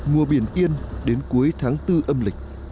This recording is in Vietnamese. mùa biển yên đến cuối tháng tư âm lịch